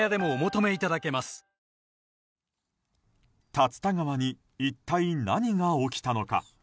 竜田川に一体何が起きたのか。